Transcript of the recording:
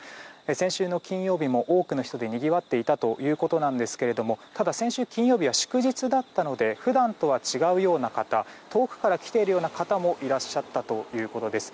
先週の金曜日も多くの人でにぎわっていたということですがただ、先週金曜日は祝日だったので普段とは違うような方遠くから来ているような方もいらっしゃったということです。